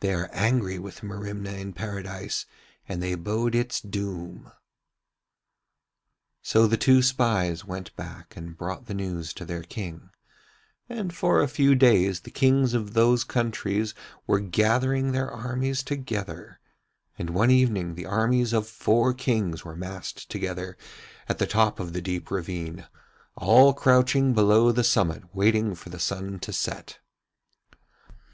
They are angry with Merimna in Paradise and they bode its doom.' So the two spies went back and brought the news to their King, and for a few days the Kings of those countries were gathering their armies together; and one evening the armies of four Kings were massed together at the top of the deep ravine, all crouching below the summit waiting for the sun to set.